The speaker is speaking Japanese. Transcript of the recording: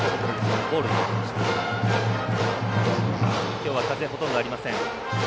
きょうは風、ほとんどありません。